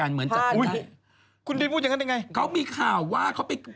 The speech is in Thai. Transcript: เหมือนกับอะไรหว่า